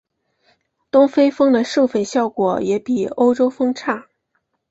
东非蜂的授粉效果也比欧洲蜂差。